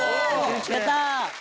やったー！